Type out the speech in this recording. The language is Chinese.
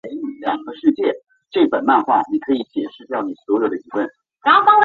曾出任山西大学校长。